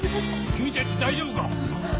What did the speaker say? ・君たち大丈夫か！